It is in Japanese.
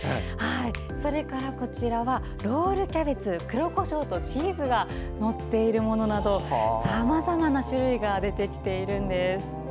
それから、ロールキャベツ黒こしょうとチーズが載ったものなどさまざまな種類が出てきてるんです。